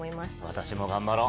私も頑張ろ！